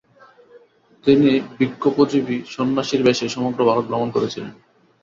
তিনি ভিক্ষোপজীবী সন্ন্যাসীর বেশে সমগ্র ভারত ভ্রমণ করেছিলেন।